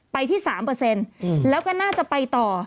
ไปที่๓เปอร์เซ็นต์แล้วก็น่าจะไปต่อ